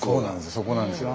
そうなんですよ。